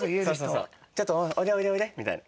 「ちょっとおいでおいでおいで」みたいな。